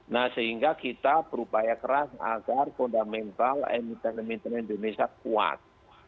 nah sehingga kita berupaya keras agar fundamental emiten emiten indonesia kuat